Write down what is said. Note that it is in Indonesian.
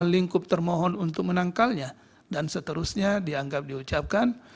lingkup termohon untuk menangkalnya dan seterusnya dianggap diucapkan